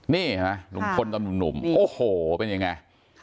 นี่ฮะลุงพลตอนหนุ่มโอ้โหเป็นยังไง